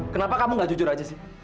kenapa kamu gak jujur aja sih